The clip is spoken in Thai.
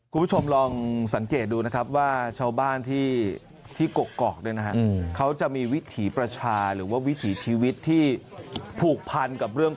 คุณผู้ชมลองสังเกตดูนะครับว่าชาวบ้านที่กกอกเนี่ยนะฮะเขาจะมีวิถีประชาหรือว่าวิถีชีวิตที่ผูกพันกับเรื่อง